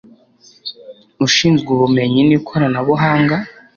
ushinzwe Ubumenyi n Ikoranabuhanga